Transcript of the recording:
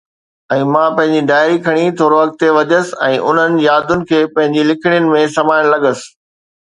۽ مان پنهنجي ڊائري کڻي ٿورو اڳتي وڌيس ۽ انهن يادن کي پنهنجي لکڻين ۾ سمائڻ لڳس